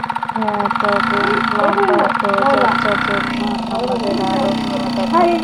হ্যাঁ, তবে লম্বা এ যাত্রার জন্য, আমাদের আরও ঘোড়া দরকার।